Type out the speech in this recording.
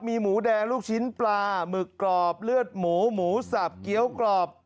มีหมูแดงลูกชิ้นปลาหมึกกรอบเลือดหมูหมูสับเกี้ยวกรอบ